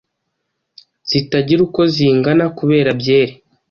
zitagira uko zingana kubera byeri